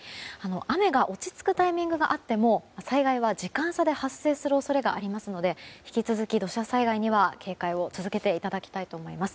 雨が落ち着くタイミングがあっても災害は時間差で発生する恐れがありますので引き続き土砂災害には警戒を続けていただきたいと思います。